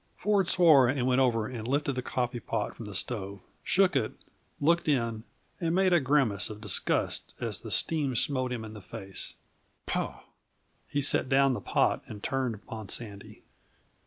Ford swore and went over and lifted the coffeepot from the stove, shook it, looked in, and made a grimace of disgust as the steam smote him in the face. "Paugh!" He set down the pot and turned upon Sandy.